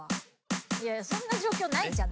いやいやそんな状況ないじゃん。